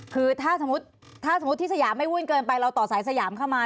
คือถ้าสมมุติถ้าสมมุติที่สยามไม่วุ่นเกินไปเราต่อสายสยามเข้ามา